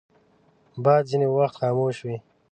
باد ځینې وخت خاموش وي